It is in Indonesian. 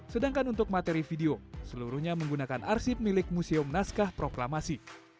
sedangkan untuk materi video seluruhnya menggunakan arsip milik museum naskah proklamasi